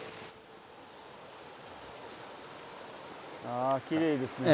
あきれいですね。